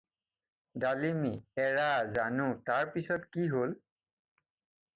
ডালিমী-এৰা জানো, তাৰ পিছত কি হ'ল?